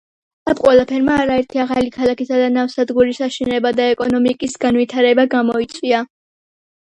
ამ ყველაფერმა არაერთი ახალი ქალაქისა და ნავსადგურის აშენება და ეკონომიკის განვითარება გამოიწვია.